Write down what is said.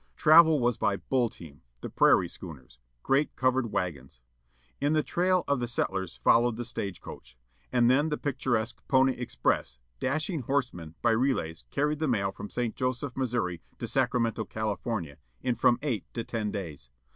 Travel was by "bull team," the prairie schooners â great covered wagons. In the trail of the settlers followed the "stage coach." And then the picturesque "Poney Express," dashing horsemen, by relays, carried the mail from St. Joseph, Missouri, to Sacramento, California, in from eight to ten days.